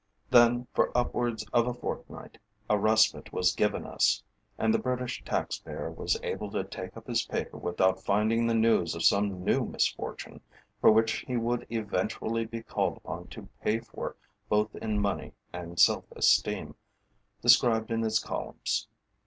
Then, for upwards of a fortnight, a respite was given us, and the British taxpayer was able to take up his paper without finding the news of some new misfortune, for which he would eventually be called upon to pay for both in money and self esteem, described in its columns.